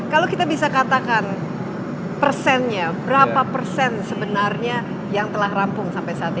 kalau kita bisa katakan persennya berapa persen sebenarnya yang telah rampung sampai saat ini